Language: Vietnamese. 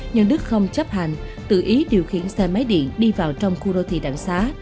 nhưng đức không chấp hành tự ý điều khiển xe máy điện đi vào trong khu đô thị đặng xá